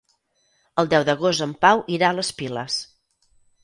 El deu d'agost en Pau irà a les Piles.